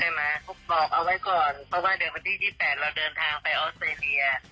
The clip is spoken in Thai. เขาบอกเอาไว้ก่อนเพราะว่าเดี๋ยววันที่๒๘เราเดินทางไปออสเตรเลีย